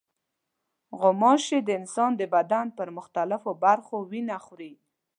غوماشې د انسان د بدن پر مختلفو برخو وینه خوري.